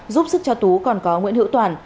giúp sức cho tú còn có nguyễn hữu toàn